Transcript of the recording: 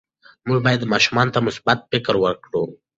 موږ باید ماشومانو ته مثبت فکر ورکړو.